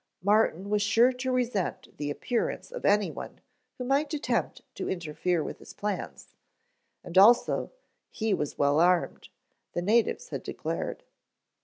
Martin was sure to resent the appearance of anyone who might attempt to interfere with his plans, and also, he was well armed, the natives had declared.